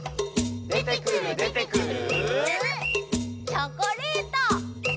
チョコレート！